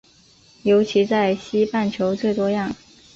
尤其在西半球最多样。